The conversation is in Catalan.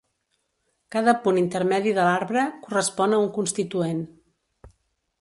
Cada punt intermedi de l'arbre correspon a un constituent.